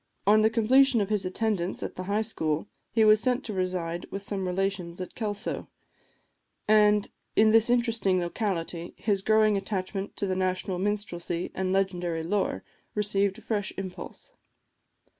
On the completion of his attendance at the High School, he was sent to reside with some relations at Kelso; and in this interesting locality his growing attachment to the national minstrelsy and legendary lore received a fresh impulse.